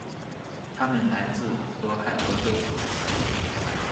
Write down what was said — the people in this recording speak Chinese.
他们来自俄亥俄州。